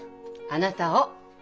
あなたを！